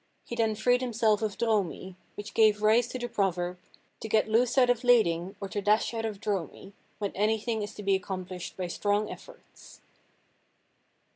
He then freed himself from Dromi, which gave rise to the proverb, 'to get loose out of Læding, or to dash out of Dromi,' when anything is to be accomplished by strong efforts.